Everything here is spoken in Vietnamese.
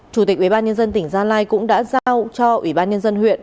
chủ tịch ubnd tỉnh gia lai cũng đã giao cho ubnd huyện